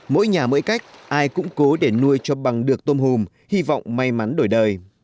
mỗi nhà mỗi cách ai cũng cố để nuôi cho bằng được tôm hùm hy vọng may mắn đổi đời